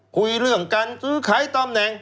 คุยเรื่องการซื้อขายตำแหน่ง